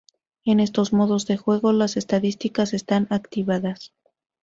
En estos modos de juego las estadísticas están activadas.